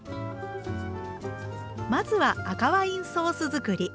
まずは赤ワインソース作り。